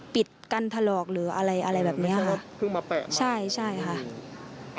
ปิดกันถลอกหรืออะไรอะไรแบบเนี้ยค่ะเพิ่งมาแปะใช่ใช่ค่ะ